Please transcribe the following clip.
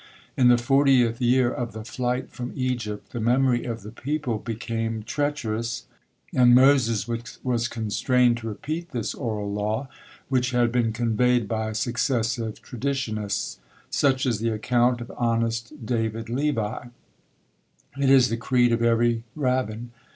In the fortieth year of the flight from Egypt, the memory of the people became treacherous, and Moses was constrained to repeat this oral law, which had been conveyed by successive traditionists. Such is the account of honest David Levi; it is the creed of every rabbin.